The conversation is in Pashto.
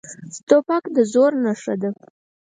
توپک د زور نښه ده.